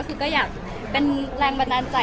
เพราะว่าอยากดินแรงแบบนั้นใจให้